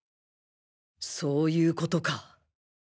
そういうことか